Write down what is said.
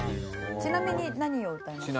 ちなみに何を歌いますか？